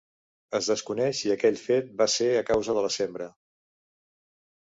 Es desconeix si aquell fet va ser a causa de la sembra.